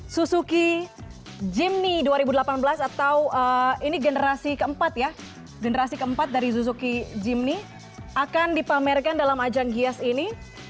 suzuki jimny dua ribu delapan belas atau ini generasi keempat ya generasi keempat dari suzuki jimny akan dipamerkan dalam ajang gias ini